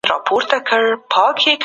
د نفس غوښتنو ته تسلیمي نه ښودل کېږي.